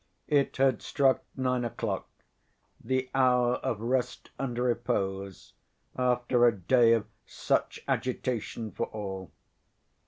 It had struck nine o'clock—the hour of rest and repose after a day of such agitation for all.